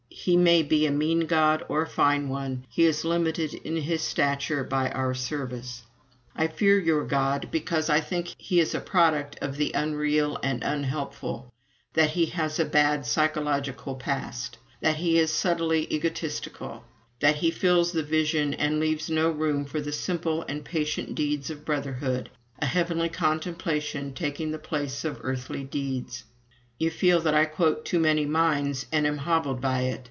He may be a mean God or a fine one. He is limited in his stature by our service. I fear your God, because I think he is a product of the unreal and unhelpful, that he has a "bad psychological past," that he is subtly egotistical, that he fills the vision and leaves no room for the simple and patient deeds of brotherhood, a heavenly contemplation taking the place of earthly deeds. You feel that I quote too many minds and am hobbled by it.